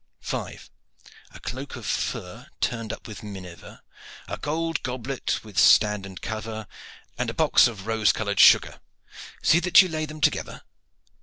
Five a cloak of fur turned up with minever, a gold goblet with stand and cover, and a box of rose colored sugar. See that you lay them together.